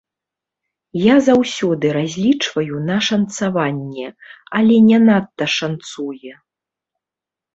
Я заўсёды разлічваю на шанцаванне, але не надта шанцуе.